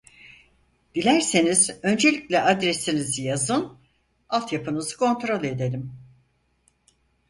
Dilerseniz öncelikle adresinizi yazın altyapınızı kontrol edelim